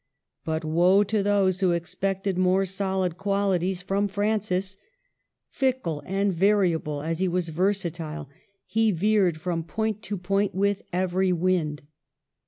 But woe to those who expected more solid qualities from Francis. Fickle and variable as he was versatile, he veered from point to point with every wind.